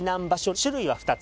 種類は２つ。